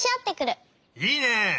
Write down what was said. いいね！